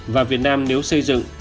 và việt nam nếu xây dựng